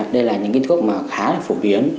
đây là những cái thuốc mà khá là phổ biến